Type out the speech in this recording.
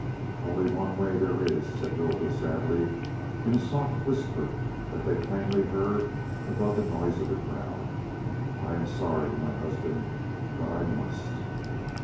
"Only one way there is," said Lylda sadly, in a soft whisper that they plainly heard above the noise of the crowd. "I am sorry, my husband but I must."